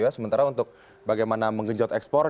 sementara untuk bagaimana menggenjot ekspor